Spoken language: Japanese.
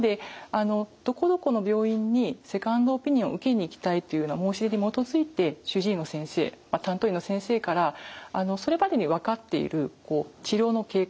どこどこの病院にセカンドオピニオン受けに行きたいというような申し出に基づいて主治医の先生担当医の先生からそれまでに分かっている治療の経過